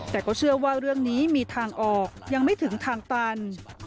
แต่ก็เชื่อว่าเรื่องนี้มีทางออกยังไม่ถึงทางตัน